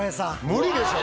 無理でしょ！